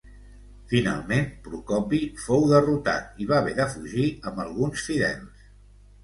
Finalment, Procopi fou derrotat i va haver de fugir amb alguns fidels.